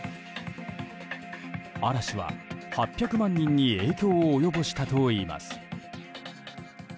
嵐は８００万人に影響を及ぼしたといいます。